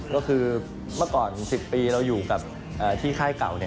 ก็คือเมื่อก่อน๑๐ปีเราอยู่กับที่ค่ายเก่า